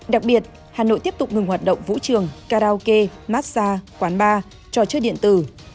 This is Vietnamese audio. đặc biệt hà nội tiếp tục ngừng hoạt động vũ trường karaoke massage quán bar trò chơi điện tử